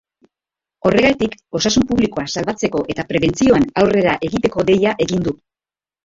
Horregatik, osasun publikoa salbatzeko eta prebentzioan aurrera egiteko deia egin du.